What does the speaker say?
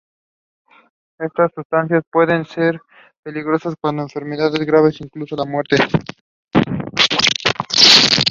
It is celebrated on the Birthday of eminent Marathi Poet Vi.